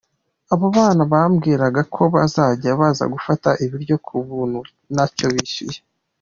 Abo bana mbabwira ko bazajya baza gufata ibiryo ku buntu ntacyo bishyuye.